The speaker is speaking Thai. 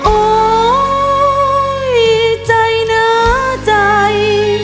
โอ้มีใจหน้าใจ